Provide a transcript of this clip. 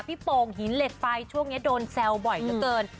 พี่โปรงหีนเล็ดไฟช่วงนี้โดนแทรวจะบ่อยเกินเกิน